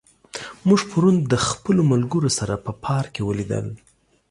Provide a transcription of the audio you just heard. موږ پرون د خپلو ملګرو سره په پارک کې ولیدل.